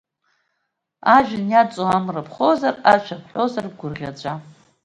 Ажәҩан иаҵоу амра ԥхозар, ашәа бҳәозар бгәырӷьаҵәа.